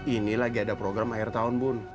ini lagi ada program akhir tahun bun